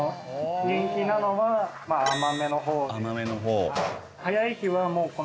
人気なのは甘めの方。